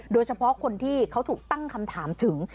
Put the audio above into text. โดยเฉพาะคนที่เขาถูกตั้งคำถามถึง